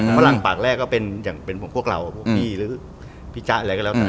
ฝรั่งปากแรกเพราะเราพี่เนี่ยเรย่ไปแล้ว